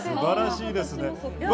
素晴らしいですね。